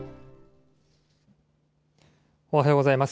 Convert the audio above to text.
おはようございます。